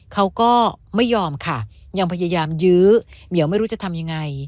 เขาก็ไม่ยอมค่ะยังพยายามยื้อเหี่ยวไม่รู้จะทำยังไง